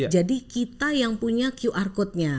jadi kita yang punya qr code nya